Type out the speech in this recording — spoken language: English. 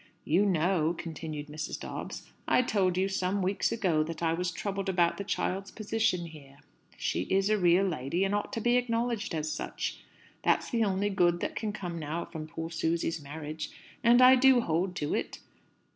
"You know," continued Mrs. Dobbs, "I told you some weeks ago that I was troubled about the child's position here. She is a real lady, and ought to be acknowledged as such. That's the only good that can come now from poor Susy's marriage, and I do hold to it.